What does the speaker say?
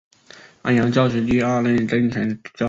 安阳教区第二任正权主教。